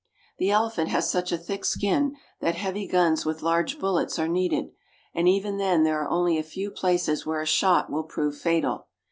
The elephant has such a thick skin that heavy guns with large bullets are needed, and even then there are only a few places where a shot will prove fatal.